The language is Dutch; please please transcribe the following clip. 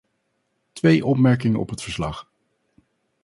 Twee opmerkingen op het verslag.